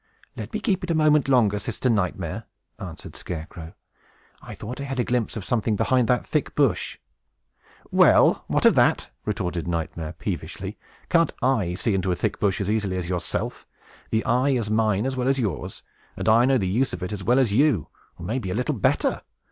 "Let me keep it a moment longer, Sister Nightmare," answered Scarecrow. "I thought I had a glimpse of something behind that thick bush." "Well, and what of that?" retorted Nightmare, peevishly. "Can't I see into a thick bush as easily as yourself? The eye is mine as well as yours; and I know the use of it as well as you, or may be a little better.